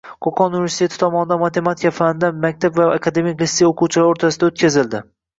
Qoʻqon universiteti tomonidan matematika fanidan maktab va akademik litsey oʻquvchilari oʻrtasida o'tkazildi.